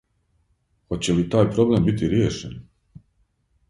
Хоће ли тај проблем бити ријешен?